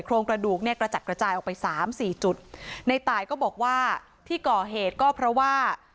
โครงกระดูกเนี่ยกระจัดกระจายออกไปสามสี่จุดในตายก็บอกว่าที่ก่อเหตุก็เพราะว่า